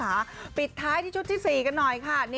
พออย่างนี้คุณผู้ชมค่ะปิดท้ายที่ชุดที่๔ขนานหน่อยค่ะ